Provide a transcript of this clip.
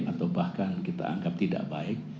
atau bahkan kita anggap tidak baik